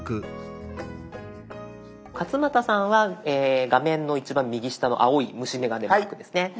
勝俣さんは画面の一番右下の青い虫眼鏡マークですね。